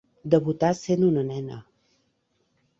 Debutà sent una nena.